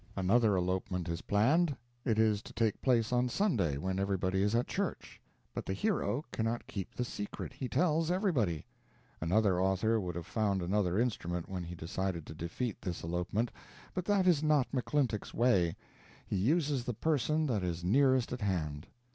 Another elopement is planned; it is to take place on Sunday, when everybody is at church. But the "hero" cannot keep the secret; he tells everybody. Another author would have found another instrument when he decided to defeat this elopement; but that is not McClintock's way. He uses the person that is nearest at hand.